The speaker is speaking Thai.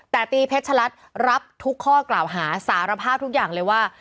แต่ตีเพชรชะลัดรับทุกข้อกล่าวหาสารภาพทุกอย่างเลยว่า